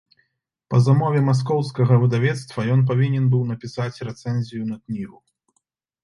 Па замове маскоўскага выдавецтва ён павінен быў напісаць рэцэнзію на кнігу.